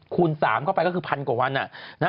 คูณ๓เข้าไปก็คือพันกว่าวัน